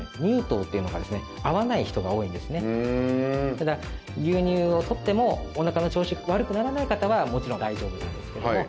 ただ牛乳を取ってもお腹の調子が悪くならない方はもちろん大丈夫ですけども。